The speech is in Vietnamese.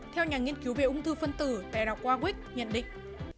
theo nhà nghiên cứu về ung thư phân tử tại đại học warwick nhận định